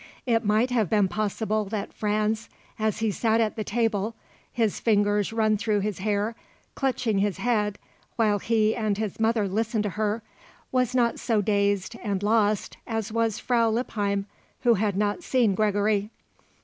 It might have been possible that Franz, as he sat at the table, his fingers run through his hair, clutching his head while he and his mother listened to her, was not so dazed and lost as was Frau Lippheim, who had not seen Gregory.